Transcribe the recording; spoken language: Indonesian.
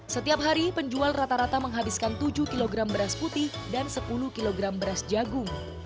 setiap hari penjual rata rata menghabiskan tujuh kg beras putih dan sepuluh kg beras jagung